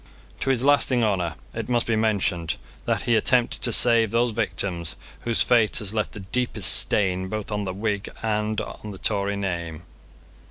To his lasting honour it must be mentioned that he attempted to save those victims whose fate has left the deepest stain both on the Whig and on the Tory name.